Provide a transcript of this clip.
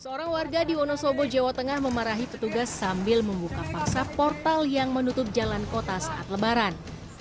seorang warga di wonosobo jawa tengah memarahi petugas sambil membuka paksa portal yang menutup jalan kota saat lebaran